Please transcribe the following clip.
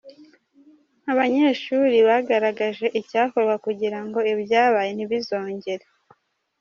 Abanyeshuri bagaragaje icyakorwa kugira ngo ibyabaye ntibizongere.